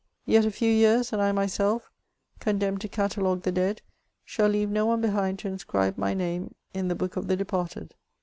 Yet a few years, and I myself, condemned to catalogue the dead, shall leave no one behind to inscribe my name in the book of the departed.